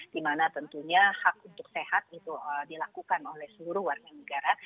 di mana tentunya hak untuk sehat itu dilakukan oleh seluruh warga negara